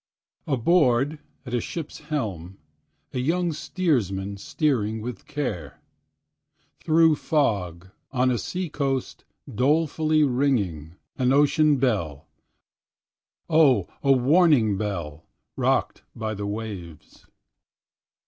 Aboard, at the ship's helm, A young steersman, steering with care. A bell through fog on a sea coast dolefully ringing, An ocean bell O a warning bell, rocked by the waves.